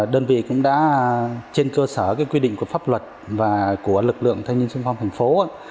đơn vị cũng đã trên cơ sở quy định của pháp luật và của lực lượng thanh niên xuân phong tp hcm